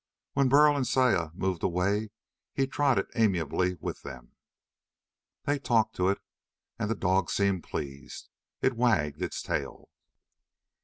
When Burl and Saya moved away, he trotted amiably with them. They talked to it, and the dog seemed pleased. It wagged its tail.